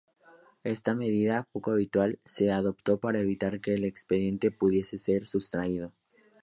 Esta medida, poco habitual, se adoptó para evitar que el expediente pudiese ser sustraído.